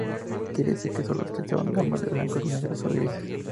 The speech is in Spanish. Quiere decir que sólo se utilizan gamas de blancos, negros o grises.